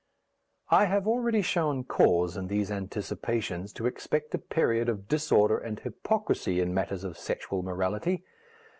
I have already shown cause in these Anticipations to expect a period of disorder and hypocrisy in matters of sexual morality.